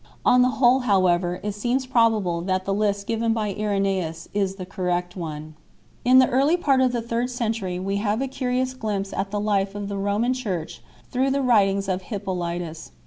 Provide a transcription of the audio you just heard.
On the whole however it seems probable that the list given by Irengeus is the correct one 9 . In the early part of the third century we have a curious glimpse at the life of the Roman Church through the writings of Hippolytus 10